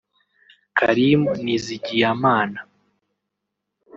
Karim Nizigiyamana